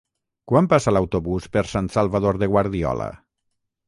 Quan passa l'autobús per Sant Salvador de Guardiola?